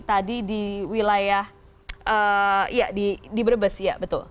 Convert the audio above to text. tadi di wilayah di brebes ya betul